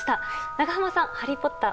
長濱さん、「ハリー・ポッター」